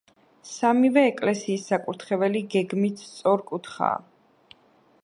სამივე ეკლესიის საკურთხეველი გეგმით სწორკუთხაა.